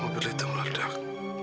mobil itu meledak